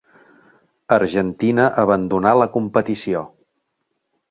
Argentina abandonà la competició.